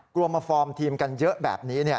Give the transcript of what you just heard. กลัวมาฟอร์มทีมกันเยอะแบบนี้